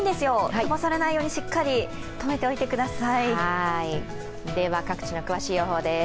飛ばされないようにしっかり止めておいてください。